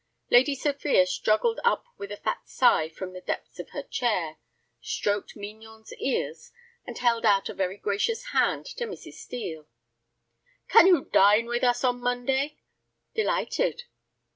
Lady Sophia struggled up with a fat sigh from the depths of her chair, stroked Mignon's ears, and held out a very gracious hand to Mrs. Steel. "Can you dine with us on Monday?" "Delighted."